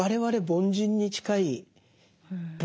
凡人に近い。